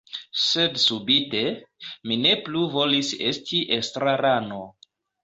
Sed subite… mi ne plu volis esti estrarano.